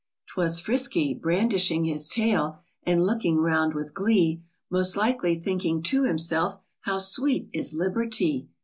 'Twas Frisky, brandishing his tail And looking round with glee : Most likely thinking to himself, " How sweet is liberty